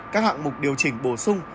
các hạng mục điều chỉnh bổ sung